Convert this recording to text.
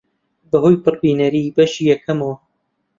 بەهۆی پڕبینەری بەشی یەکەمیەوە